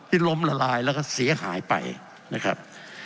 ล้มละลายแล้วก็เสียหายไปนะครับ